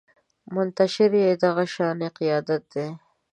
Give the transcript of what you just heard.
منتشر يې دغه شانې قیادت دی